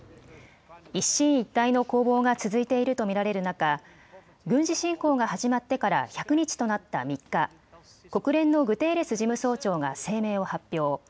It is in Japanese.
一進一退の攻防が続いていると見られる中、軍事侵攻が始まってから１００日となった３日、国連のグテーレス事務総長が声明を発表。